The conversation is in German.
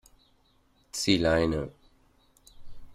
Zieh Leine!